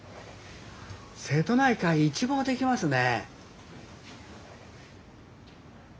瀬戸内海一望できますね。